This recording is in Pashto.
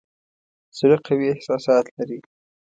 زړه قوي احساسات لري.